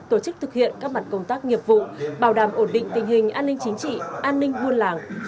tổ chức thực hiện các mặt công tác nghiệp vụ bảo đảm ổn định tình hình an ninh chính trị an ninh buôn làng